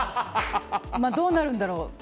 どうなるんだろう。